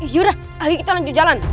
yaudah ayo kita lanjut jalan